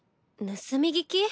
盗み聞き？